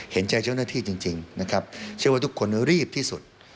เห็นใจเจ้าหน้าที่จริงนะครับเชื่อว่าทุกคนรีบที่สุด